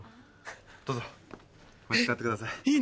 どうぞこれ使ってください。